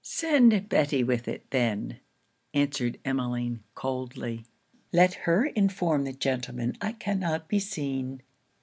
'Send Betty with it then,' answered Emmeline coldly; 'let her inform the gentleman I cannot be seen.'